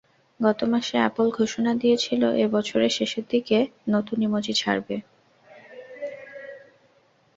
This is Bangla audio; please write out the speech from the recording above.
গত মাসে অ্যাপল ঘোষণা দিয়েছিল এ বছরের শেষের দিকে নতুন ইমোজি ছাড়বে।